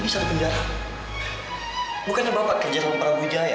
saya pergi dulu ya